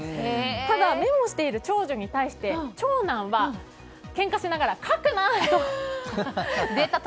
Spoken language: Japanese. ただ、メモしている長女に対して長男は、けんかしながら書くな！と。